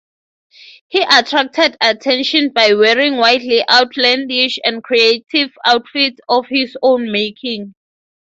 He attracted attention by wearing wildly outlandish and creative outfits of his own making.